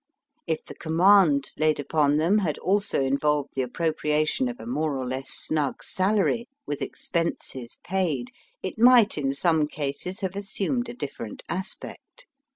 If the command laid upon them had also involved the appropriation of a more or less snug salary, with expenses paid, it might in some cases have assumed a different aspect.